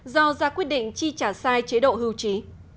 do ra quyết định chi trả sai chế độ hưu trí